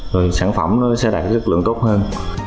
rồi sản phẩm sẽ đạt sức lượng tốt hơn